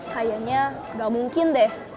kayaknya gak mungkin deh